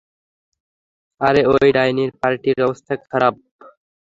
আরে, ওই ডাইনির পার্টির অবস্থা খারাপ।